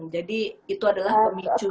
jadi itu adalah pemicu